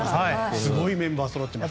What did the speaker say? すごいメンバーがそろっています。